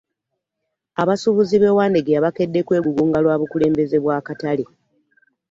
Abasuubuzi b'e Wandegeya bakedde kwegugunga lwa bukulembeze bwa katale.